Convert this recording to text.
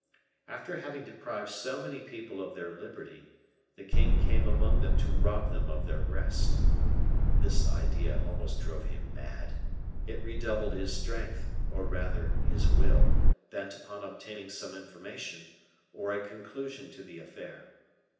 After having deprived so many people of their liberty, the king came among them to rob them of their rest. This idea almost drove him mad; it redoubled his strength, or rather his will, bent upon obtaining some information, or a conclusion to the affair.